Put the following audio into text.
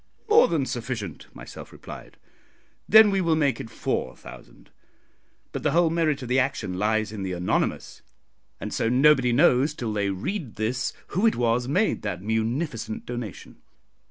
"More than sufficient," myself replied. "Then we will make it four thousand." But the whole merit of the action lies in the anonymous, and so nobody knows till they read this who it was made that munificent donation.